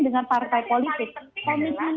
dengan partai politik komitmen